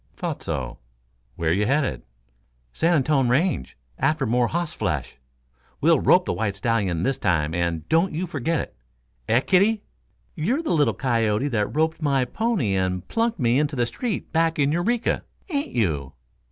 "Thought so. Where you headed?" "San Antone Range after more hoss flesh. We'll rope the white stallion this time, and don't you forget it. Eh, kiddie? You're the little coyote what roped my pony and plunked me into the street back in Eureka, ain't you?"